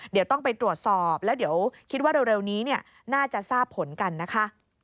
เดี๋ยวต้องไปตรวจสอบแล้วเดี๋ยวคิดว่าเร็วนี้น่าจะทราบผลกันนะคะ